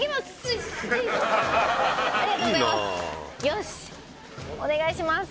よしお願いします